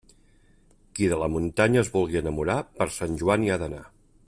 Qui de la muntanya es vulgui enamorar, per Sant Joan hi ha d'anar.